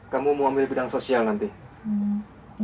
kamu mau ambil bidang sosial nanti